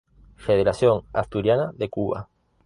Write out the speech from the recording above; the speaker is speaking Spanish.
Federación asturiana de Cuba.